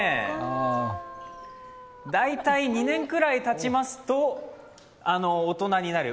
大体、２年くらいたちますと大人になる。